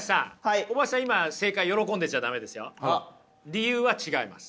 理由は違います。